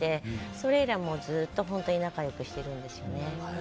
それ以来、ずっと仲良くしてるんですよね。